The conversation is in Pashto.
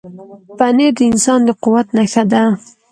پنېر د انسان د قوت نښه ده.